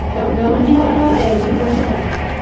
ګاونډي ته مه وایی چې زه نه یم